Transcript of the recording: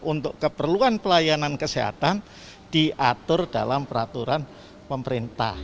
untuk keperluan pelayanan kesehatan diatur dalam peraturan pemerintah